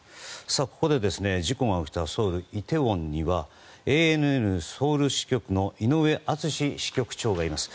ここで、事故が起きたソウルのイテウォンにはＡＮＮソウル支局の井上敦支局長がいます。